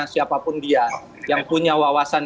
siapapun dia yang punya wawasan